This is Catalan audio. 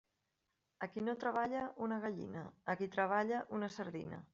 A qui no treballa, una gallina; a qui treballa, una sardina.